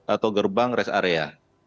atau gerbang rest area